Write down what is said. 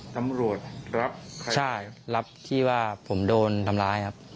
ตำรวจรับใช่รับที่ว่าผมโดนทำร้ายครับ